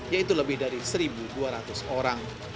yaitu lebih dari satu dua ratus orang